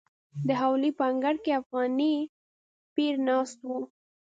د حویلۍ په انګړ کې افغاني پیر ناست و.